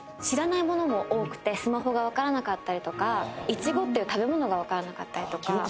知らないものも多くてスマホが分からなかったりとかイチゴっていう食べ物が分からなかったりとか。